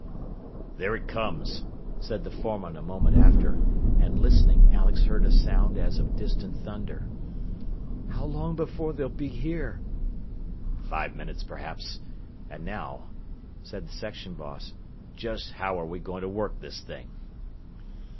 "There it comes," said the foreman a moment after, and listening Alex heard a sound as of distant thunder. "How long before they'll be here?" "Five minutes, perhaps. And now," said the section boss, "just how are we going to work this thing?"